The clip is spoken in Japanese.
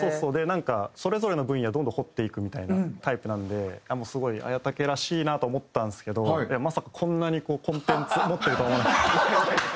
なんかそれぞれの分野どんどん掘っていくみたいなタイプなんですごい文武らしいなと思ったんですけどまさかこんなにコンテンツを持ってるとは思わなくて。